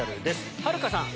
はるかさん